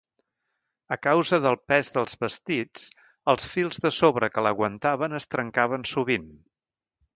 A causa del pes del vestit, els fils de sobre que l'aguantaven es trencaven sovint.